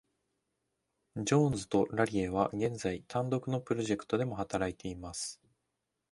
ジョーンズとラリエは、現在単独のプロジェクトでも働いています。